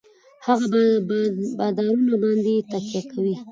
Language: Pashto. هـغـه بـادارنـو بـانـدې يـې تکيـه کـوي.